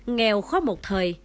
nghèo khó một thời